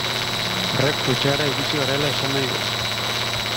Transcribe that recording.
Horrek Krutxeara iritsi garela esan nahi du.